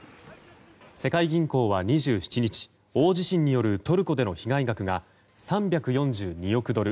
世界銀行は２７日大地震によるトルコでの被害額が３４２億ドル